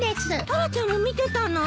タラちゃんも見てたの？